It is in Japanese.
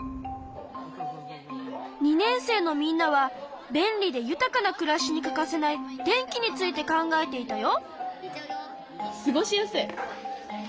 ２年生のみんなは便利で豊かな暮らしに欠かせない電気について考えていたよ。